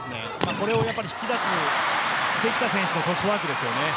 これを引き出す関田選手のトスワークです。